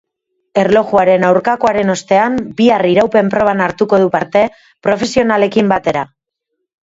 Erlojuaren aurkakoaren ostean bihar iraupen proban hartuko du parte profesionalekin batera.